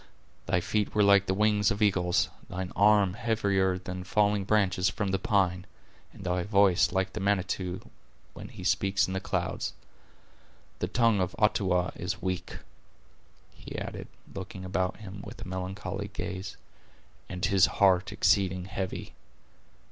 Thy feet were like the wings of eagles; thine arm heavier than falling branches from the pine; and thy voice like the Manitou when He speaks in the clouds. The tongue of Uttawa is weak," he added, looking about him with a melancholy gaze, "and his heart exceeding heavy.